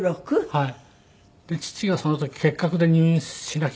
はい。